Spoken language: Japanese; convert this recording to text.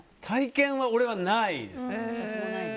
体験は、俺はないですね。